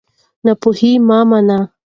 ناپوهي مه منئ.